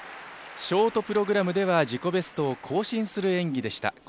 ショートプログラムでは自己ベストを更新する演技でした。